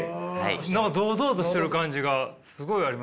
堂々としてる感じがすごいありますね。